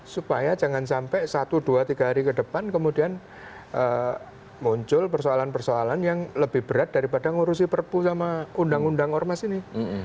supaya jangan sampai satu dua tiga hari ke depan kemudian muncul persoalan persoalan yang lebih berat daripada ngurusi perpu sama undang undang ormas ini